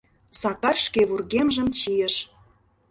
Сакар шке вургемжым чийыш.